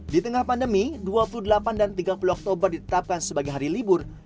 di tengah pandemi dua puluh delapan dan tiga puluh oktober ditetapkan sebagai hari libur